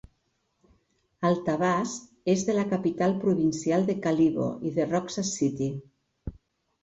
Altavas és de la capital provincial de Kalibo i de Roxas City.